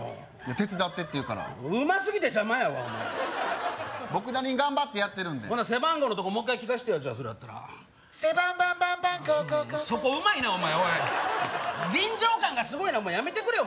手伝ってっていうからうますぎて邪魔やわお前僕なりに頑張ってやってるんで背番号のとこもう一回聞かせてよじゃあそれやったら背番番番番号号号号そこうまいなお前おい臨場感がすごいなもうやめてくれよ